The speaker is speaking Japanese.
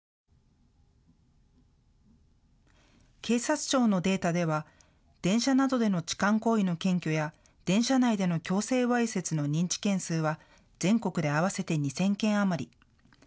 警察庁のデータでは電車などでの痴漢行為の検挙や電車内での強制わいせつの認知件数は全国で合わせて２０００件余り。